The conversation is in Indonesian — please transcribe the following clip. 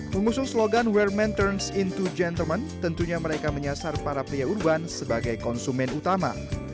mengusung slogan where men turns into gentlemen tentunya mereka menyasar para pria urban sebagai konsumen utama